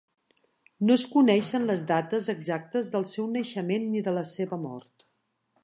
No es coneixen les dates exactes del seu naixement ni la de la seva mort.